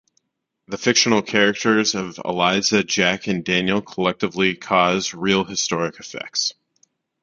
The fictional characters of Eliza, Jack and Daniel collectively cause real historic effects.